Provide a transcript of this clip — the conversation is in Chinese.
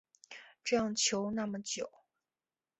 这样求那么久